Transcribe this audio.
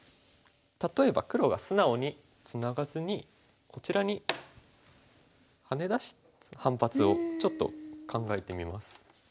例えば黒が素直にツナがずにこちらにハネ出す反発をちょっと考えてみます。